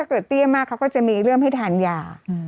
เตี้ยมากเขาก็จะมีเรื่องให้ทานยา